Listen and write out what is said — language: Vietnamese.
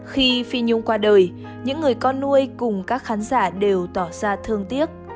khi phi nhung qua đời những người con nuôi cùng các khán giả đều tỏ ra thương tiếc